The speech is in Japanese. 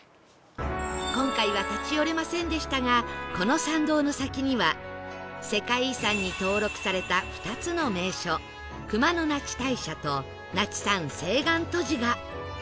今回は立ち寄れませんでしたがこの参道の先には世界遺産に登録された２つの名所熊野那智大社と那智山青岸渡寺が